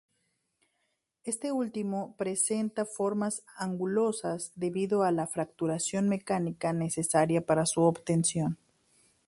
Este último presenta formas angulosas debido a la fracturación mecánica necesaria para su obtención.